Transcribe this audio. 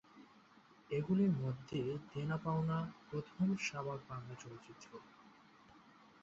এগুলির মধ্যে দেনা পাওনা প্রথম সবাক বাংলা চলচ্চিত্র।